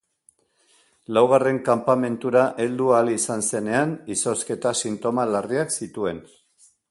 Laugarren kanpamentura heldu ahal izan zenean izozketa-sintoma larriak zituen.